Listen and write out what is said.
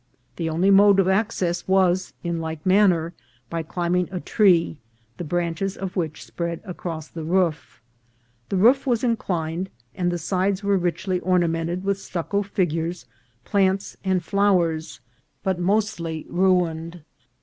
The only mode of access was, in like manner, by climb ing a tree, the branches of which spread across the roof. The roof was inclined, and the sides were richly orna mented with stucco figures, plants, and flowers, but mostly ruined.